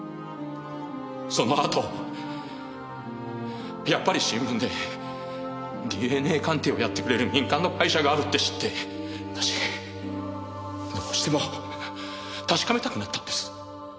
そのあとやっぱり新聞でＤＮＡ鑑定をやってくれる民間の会社があるって知って私どうしても確かめたくなったんです。